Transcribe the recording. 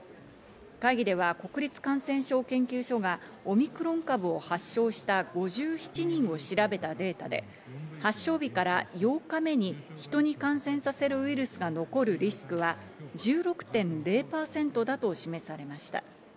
会議では国立感染症研究所がオミクロン株を発症した５７人を調べたデータで、発症日から８日目に人に感染させるウイルスが残るリスクは１６．０％だと示されました。